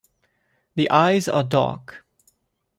The eyes are dark.